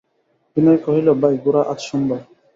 বিনয় কহিল, ভাই গোরা, আজ সোমবার।